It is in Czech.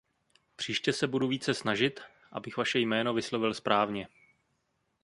Příště se budu více snažit, abych vaše jméno vyslovil správně.